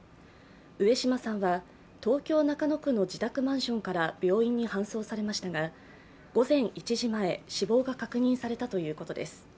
上島さんは東京・中野区の自宅マンから病院に搬送されましたが午前１時前、死亡が確認されたということです。